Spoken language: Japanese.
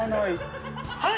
はい！